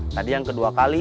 tadi yang kedua kali